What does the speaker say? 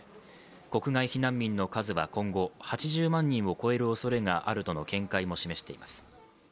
国外避難民の数は今後８０万人を超えるおそれがあるとの見解も示しています。